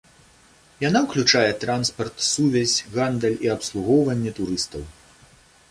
Яна ўключае транспарт, сувязь, гандаль і абслугоўванне турыстаў.